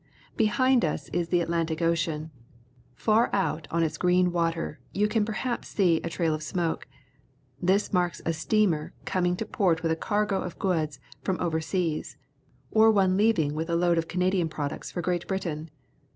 Behind us is the Atlantic Ocean. Far out on its green water you can perhaps see a trail of smoke. This marks a steamer com ing to port with a cargo of goods from over seas, or one leaving with a load of Canadian products for Great Britain.